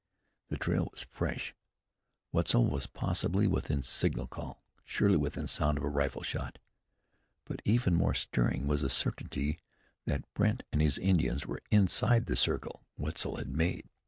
The trail was fresh. Wetzel was possibly within signal call; surely within sound of a rifle shot. But even more stirring was the certainty that Brandt and his Indians were inside the circle Wetzel had made.